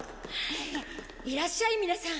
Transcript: いらっしゃい皆さん。